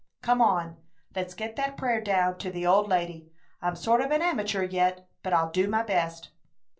Come on, let's get that prayer down to the old lady! I'm sort of an amateur yet, but I'll do my best."